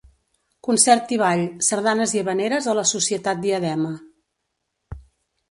Concert i ball, sardanes i havaneres a la Societat Diadema.